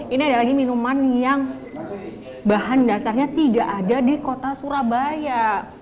ini ada lagi minuman yang bahan dasarnya tidak ada di kota surabaya